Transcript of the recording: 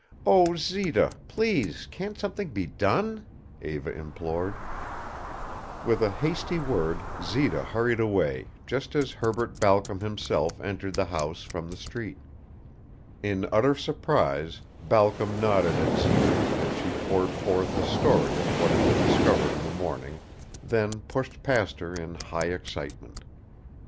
"Oh Zita please can't something be done?" Eva implored. With a hasty word Zita hurried away just as Herbert Balcom himself entered the house from the street. In utter surprise Balcom nodded at Zita as she poured forth the story of what had been discovered in the morning, then pushed past her in high excitement.